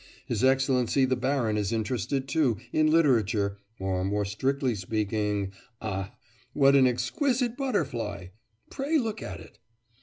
His Excellency the baron is interested, too, in literature, or more strictly speaking ah! what an exquisite butterfly! pray look at it!